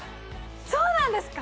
そうなんですか！？